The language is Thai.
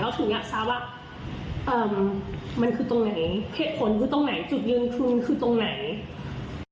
และฐานยักษ์ทราบว่ามันคือตรงไหน